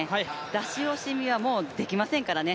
出し惜しみはもうできませんからね。